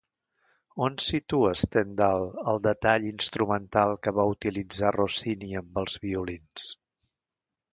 On situa Stendhal el detall instrumental que va utilitzar Rossini amb els violins?